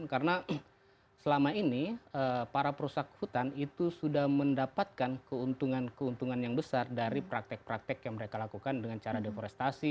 karena selama ini para perusahaan hutan itu sudah mendapatkan keuntungan keuntungan yang besar dari praktek praktek yang mereka lakukan dengan cara deforestasi